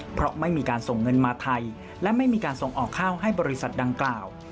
เพราะไม่มีการส่งเงินมาไทยและไม่มีการส่งออกข้าวให้บริษัทดังกล่าว